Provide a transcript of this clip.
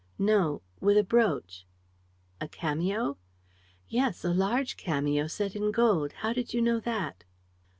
"No, with a brooch." "A cameo?" "Yes, a large cameo set in gold. How did you know that?"